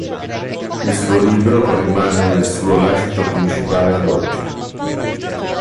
Il suo libro rimane il suo lascito principale ad oggi.